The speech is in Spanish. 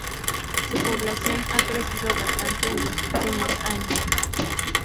Su población ha crecido bastante en los últimos años.